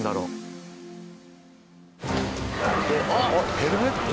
ヘルメット？